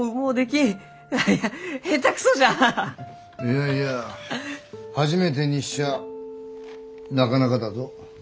いやいや初めてにしちゃあなかなかだぞ。